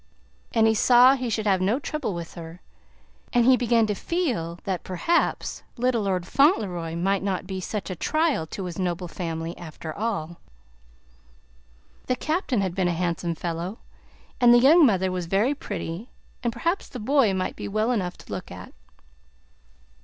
And he saw he should have no trouble with her, and he began to feel that perhaps little Lord Fauntleroy might not be such a trial to his noble family, after all. The Captain had been a handsome fellow, and the young mother was very pretty, and perhaps the boy might be well enough to look at.